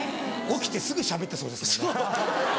起きてすぐしゃべってそうですもんね。